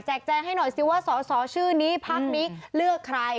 แจงให้หน่อยสิว่าสอสอชื่อนี้พักนี้เลือกใคร